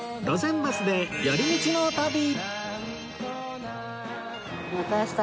「路線バスで寄り道の旅」！